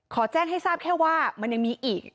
แจ้งให้ทราบแค่ว่ามันยังมีอีก